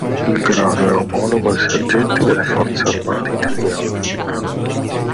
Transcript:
Il grado è omologo al sergente delle forze armate italiane.